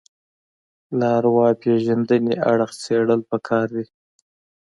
له ارواپېژندنې اړخ څېړل پکار دي